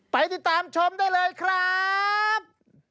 ไปติดตามชมได้เลยครับ